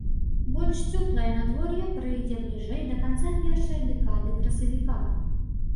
Больш цёплае надвор'е прыйдзе бліжэй да канца першай дэкады красавіка.